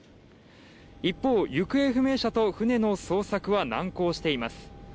一方行方不明者と船の捜索は難航しています